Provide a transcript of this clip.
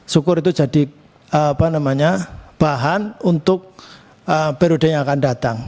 syukur itu jadi bahan untuk periode yang akan datang